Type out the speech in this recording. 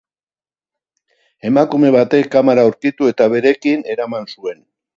Emakume batek kamara aurkitu eta berekin eraman zuen.